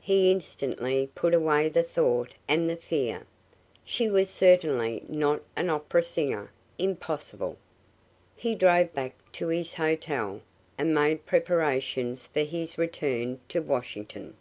He instantly put away the thought and the fear. She was certainly not an opera singer impossible! He drove back to his hotel, and made preparations for his return to Washington.